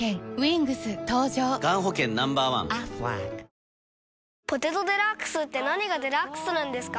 「肌男のメンズビオレ」「ポテトデラックス」って何がデラックスなんですか？